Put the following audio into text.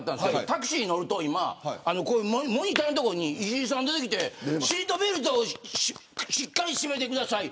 タクシーに乗ると、今モニターの所に石井さんが出てきてシートベルトをしっかり締めてください。